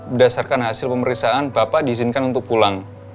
berdasarkan hasil pemeriksaan bapak diizinkan untuk pulang